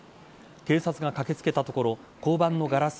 警察が駆け付けたところ交番のガラス